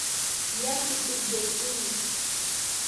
Yaku tukyaykuna